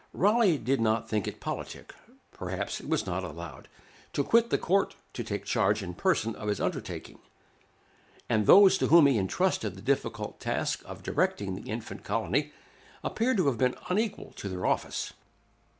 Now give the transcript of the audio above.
Raleigh did not think it politic, perhaps was not allowed, to quit the court to take charge in person of his undertaking; and those to whom he entrusted the difficult task of directing the infant colony, appear to have been unequal to their office.